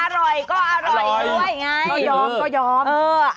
อร่อยก็อร่อยด้วยไงครับยอมก็ยอมเหรออ่ะ